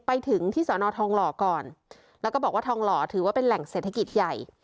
ไปถึงที่สอนอทองหล่อก่อนแล้วก็บอกว่าทองหล่อถือว่าเป็นแหล่งเศรษฐกิจใหญ่